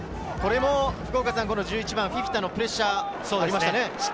１１番・フィフィタのプレッシャーがありましたね。